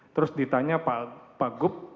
terus ditanya pak gubernur